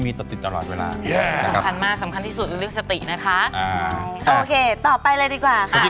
แม่บ้านประจันบัน